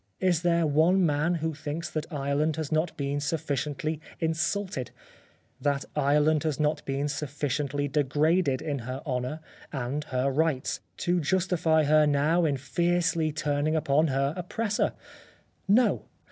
Is there one man that thinks that Ireland has not been sufficiently insulted, that Ireland has not been sufficiently degraded in her honour and her rights, to justify her now in fiercely turning upon her oppressor ? No